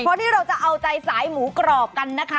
เพราะที่เราจะเอาใจสายหมูกรอบกันนะคะ